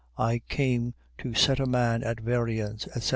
I came to set a man at variance, etc.